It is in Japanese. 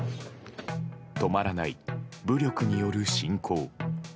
止まらない武力による侵攻。